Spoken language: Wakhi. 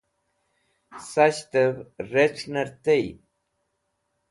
sas̃ht'ev rec̃h'ner tey